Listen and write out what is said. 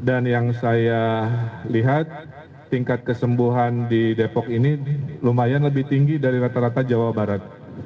dan yang saya lihat tingkat kesembuhan di depok ini lumayan lebih tinggi dari rata rata jawa barat